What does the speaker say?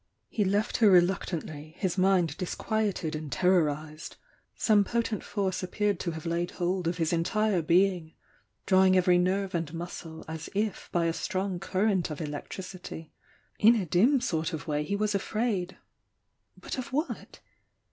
He left her reluctantly, his mind disquieted and terrorised. Some potent force appeared to have laid hold of his entire being, drawmg every nerve and muscle as if by a strong current of electricity. In a dim sort of way he was afraid, — but of what?